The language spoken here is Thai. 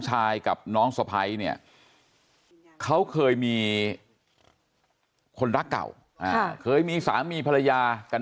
กับน้องสะพ้ายเนี่ยเขาเคยมีคนรักเก่าเคยมีสามีภรรยากัน